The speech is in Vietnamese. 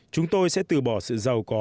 chúng tôi sẽ từ bỏ sự giàu có